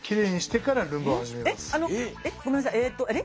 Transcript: えとあれ？